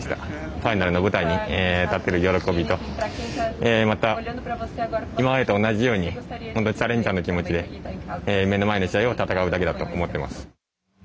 ファイナルの舞台に立てる喜びとまた、今までと同じようにチャレンジャーの気持ちで目の前の試合を戦うだけだと思っています。